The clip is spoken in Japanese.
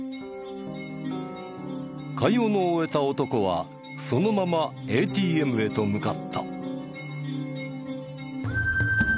買い物を終えた男はそのままＡＴＭへと向かった。